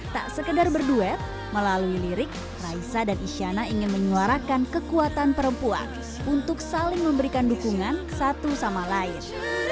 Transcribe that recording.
tak sekedar berduet melalui lirik raisa dan isyana ingin menyuarakan kekuatan perempuan untuk saling memberikan dukungan satu sama lain